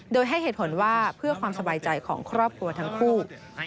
โดยให้เหตุผลว่าเพื่อความสบายใจของครอบครัวทั้งคู่